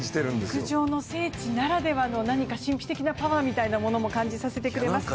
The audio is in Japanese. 陸上の聖地ならではの神秘的なパワーみたいなものも感じさせてくれます。